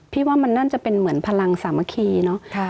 ว่ามันน่าจะเป็นเหมือนพลังสามัคคีเนอะ